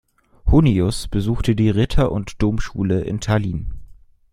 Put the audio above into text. Hunnius besuchte die Ritter- und Domschule in Tallinn.